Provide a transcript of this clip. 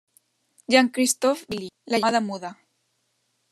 Jean-Christophe Bailly: "La llamada Muda".